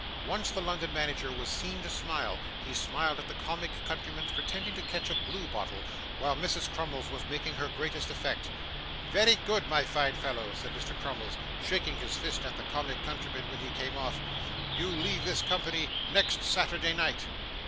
Once the London manager was seen to smile he smiled at the comic countryman's pretending to catch a blue bottle, while Mrs Crummles was making her greatest effect. 'Very good, my fine fellow,' said Mr. Crummles, shaking his fist at the comic countryman when he came off, 'you leave this company next Saturday night.